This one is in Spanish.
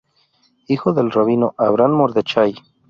Hijo del Rabino Avraham Mordechai.